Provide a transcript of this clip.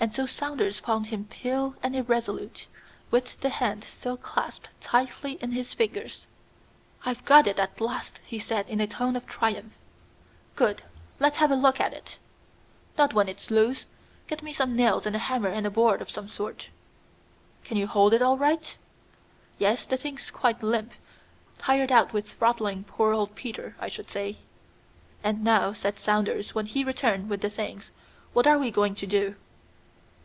And so Saunders found him pale and irresolute, with the hand still clasped tightly in his fingers. "I've got it at last," he said in a tone of triumph. "Good; let's have a look at it." "Not when it's loose. Get me some nails and a hammer and a board of some sort." "Can you hold it all right?" "Yes, the thing's quite limp; tired out with throttling poor old Peter, I should say." "And now," said Saunders when he returned with the things, "what are we going to do?"